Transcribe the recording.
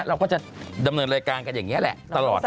เราก็จะดำเนินรายการกันอย่างนี้แหละตลอด